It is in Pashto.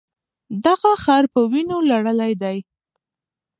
دغه ښار په وینو لړلی دی.